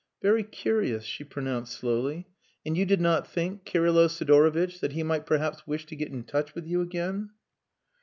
"Very curious," she pronounced slowly. "And you did not think, Kirylo Sidorovitch, that he might perhaps wish to get in touch with you again?"